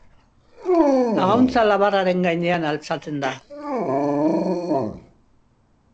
Agauntza labarraren gainean altxatzen da.